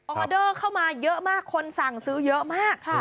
ออเดอร์เข้ามาเยอะมากคนสั่งซื้อเยอะมาก